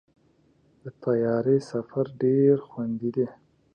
د طیارې سفر ډېر خوندي دی.